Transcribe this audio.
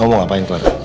kau mau ngapain clara